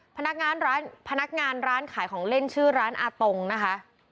พนักงานร้านขายของเล่นชื่อร้านอาตงนะคะ